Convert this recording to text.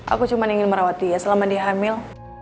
aku cuma ingin merawat dia selama dia hamil